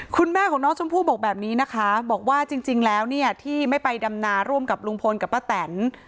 คุณแม่ของน้องชมพู่บอกแบบนี้นะคะบอกว่าจริงแล้วเนี่ยที่ไม่ไปดำนาร่วมกับลุงพลกับป้าแตน